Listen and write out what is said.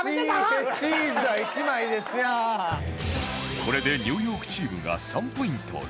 これでニューヨークチームが３ポイントリード